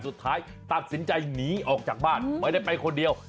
สุดท้ายตัดสินใจหนีออกจากบ้านไม่ได้ไปคนเดียว